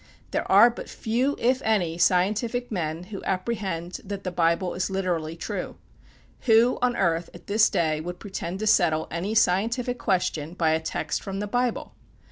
There are but few, if any, scientific men who apprehend that the Bible is literally true. Who on earth at this day would pretend to settle any scientific question by a text from the Bible?